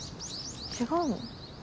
違うの？